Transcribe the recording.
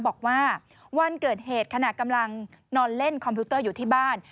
บอกว่าวันเกิดเหตุขณะกำลังนอนเล่นคอมพิวเตอร์อยู่ที่บ้าน